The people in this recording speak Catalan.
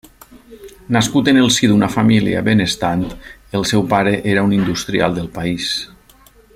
Nascut en el si d'una família benestant, el seu pare era un industrial del país.